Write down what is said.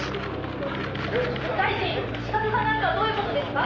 「大臣資格がないとはどういう事ですか？」